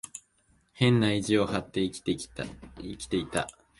変な意地を張って生きていた。